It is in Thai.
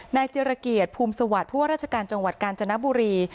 เจรเกียรติภูมิสวัสดิ์ผู้ว่าราชการจังหวัดกาญจนบุรี